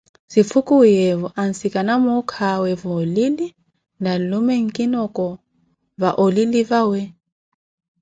Zifukuwiyeewo, ansikana muukawe va oulili na nlume nkinoko va olili vawe.